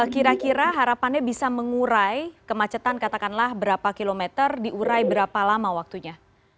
kira kira harapannya bisa mengurai kemacetan katakanlah berapa kilometer diurai berapa lama waktunya